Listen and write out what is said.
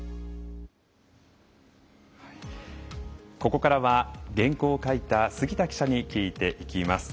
ここからは原稿を書いた杉田記者に聞いていきます。